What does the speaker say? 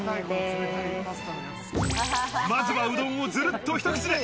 まずは、うどんを、ずるっと一口で。